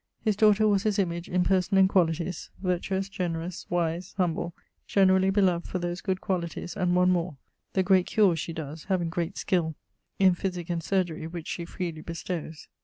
His daughter was his image in person and qualities, virtuous, generous, wise, humble; generally beloved for those good qualities and one more the great cures she does, having great skill in physic and surgery, which she freely bestows.